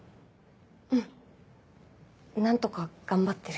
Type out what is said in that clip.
うん何とか頑張ってる。